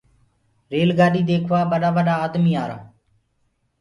ريل گآڏي ديکوآ ٻڏآ ڀڏآ آدمي آرآ۔